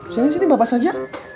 sini sini bapak saja